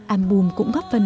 album cũng góp phần